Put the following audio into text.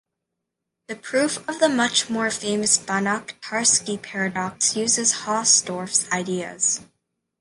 The proof of the much more famous Banach-Tarski paradox uses Hausdorff's ideas.